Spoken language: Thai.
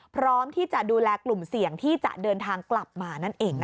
พร้อมที่จะดูแลกลุ่มเสี่ยงที่จะเดินทางกลับมานั่นเองนะคะ